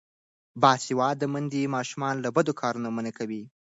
باسواده میندې ماشومان له بدو کارونو منع کوي.